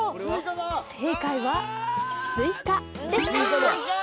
正解は「スイカ」でした